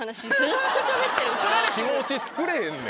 気持ちつくれへんねん。